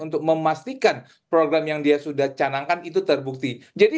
untuk memastikan program yang dia sudah canangkan itu terbukti